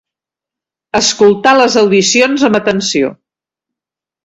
Escoltar les audicions amb atenció.